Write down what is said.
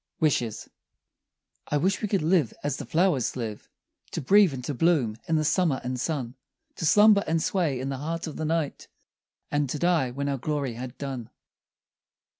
WISHES I wish we could live as the flowers live, To breathe and to bloom in the summer and sun; To slumber and sway in the heart of the night, And to die when our glory had done.